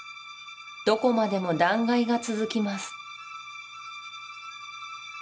どこまでも断崖が続きます